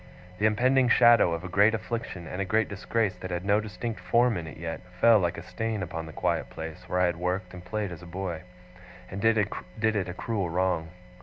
The impending shadow of a great affliction, and a great disgrace that had no distinct form in it yet, fell like a stain upon the quiet place where I had worked and played as a boy, and did it a cruel wrong.